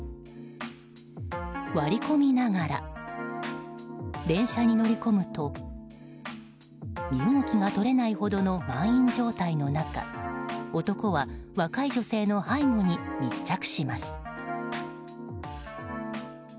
割り込みながら電車に乗り込むと身動きが取れないほどの満員状態の中男は若い女性の背後に密着します。